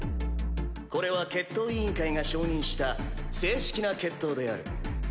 これは決闘委員会が承認した正式な決闘である。